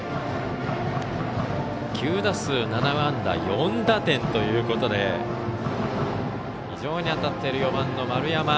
９打数７安打４打点ということで非常に当たっている４番の丸山。